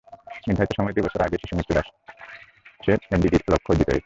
নির্ধারিত সময়ের দুই বছর আগেই শিশুমৃত্যু হ্রাসে এমডিজির লক্ষ্য অর্জিত হয়েছে।